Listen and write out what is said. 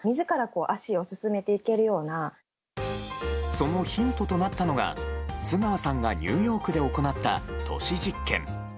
そのヒントとなったのが津川さんがニューヨークで行った都市実験。